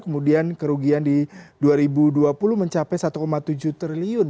kemudian kerugian di dua ribu dua puluh mencapai satu tujuh triliun